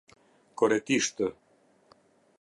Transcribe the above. Koretishtë